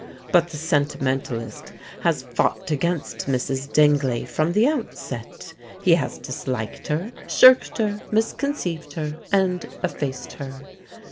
But the sentimentalist has fought against Mrs. Dingley from the outset. He has disliked her, shirked her, misconceived her, and effaced her.